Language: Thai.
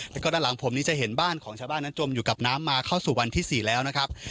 แล้วก็ด้านหลังผมนี้จะเห็นบ้านของชาวบ้านนั้นจมอยู่กับน้ำมาเข้าสู่วันที่๔แล้วนะครับ